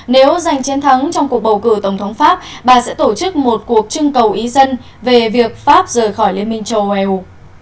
nếu giành chiến thắng trong cuộc bầu cử tổng thống pháp bà sẽ tổ chức một cuộc trưng cầu ý dân về việc pháp rời khỏi liên minh châu âu eu